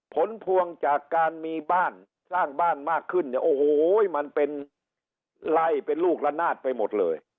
ผลพวงจากการมีบ้านสร้างบ้านมากขึ้นเนี่ยโอ้โหมันเป็นไล่เป็นลูกละนาดไปหมดเลย